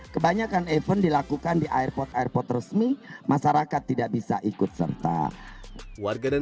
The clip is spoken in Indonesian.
kebanyakan event dilakukan di airport airport resmi masyarakat tidak bisa ikut serta warga dan